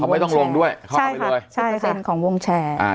เขาไม่ต้องลงด้วยเข้าไปเลยใช่ค่ะสิบเปอร์เซ็นต์ของวงแชร์อ่า